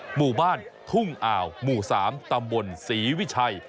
หมู่บ้านทุ่งอ่าวหมู่๓ตำบลศรีวิชัย